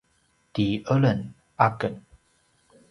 ti eleng aken